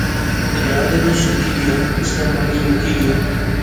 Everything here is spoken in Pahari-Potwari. دریا جدوں سکی گیا، اس ناں پانی مکی گیا